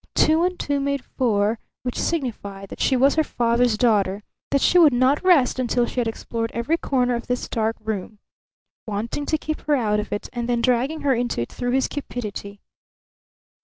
Two and two made four which signified that she was her father's daughter, that she would not rest until she had explored every corner of this dark room. Wanting to keep her out of it, and then dragging her into it through his cupidity.